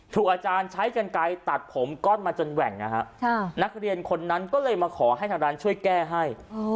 อาจารย์ใช้กันไกลตัดผมก้อนมาจนแหว่งนะฮะนักเรียนคนนั้นก็เลยมาขอให้ทางร้านช่วยแก้ให้